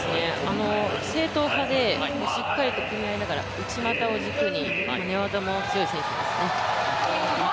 正統派で、しっかりと組み合いながら内股を軸に寝技も強い選手ですね。